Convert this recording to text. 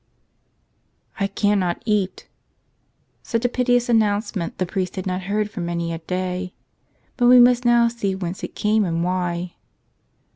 CANNOT EAT." Such a piteous announcement the priest had not heard for many a day. But we must now see whence it came and why.